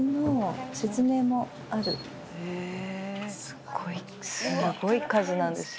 すごいすごい数なんですよ。